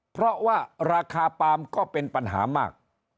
เพราะว่าราคาปาล์มก็เป็นปัญหามาก